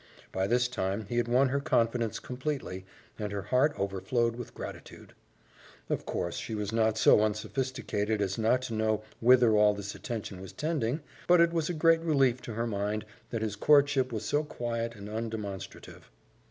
By this time he had won her confidence completely, and her heart overflowed with gratitude. Of course she was not so unsophisticated as not to know whither all this attention was tending, but it was a great relief to her mind that his courtship was so quiet and undemonstrative.